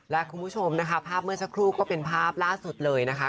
และคุณผู้ชมนะคะภาพเมื่อสักครู่ก็เป็นภาพล่าสุดเลยนะคะ